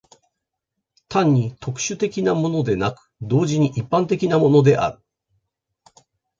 単に特殊的なものでなく、同時に一般的なものである。